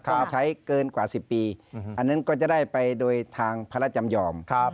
ต้องใช้เกินกว่า๑๐ปีอันนั้นก็จะได้ไปโดยทางพระราชจำยอม